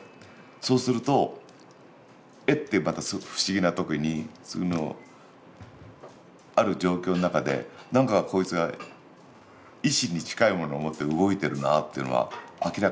そうすると「えっ」っていうまたすごく不思議な時にある状況の中で何かこいつが意思に近いものを持って動いてるなっていうのは明らかに分かるわけ。